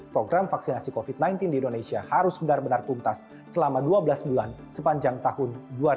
program vaksinasi covid sembilan belas di indonesia harus benar benar tuntas selama dua belas bulan sepanjang tahun dua ribu dua puluh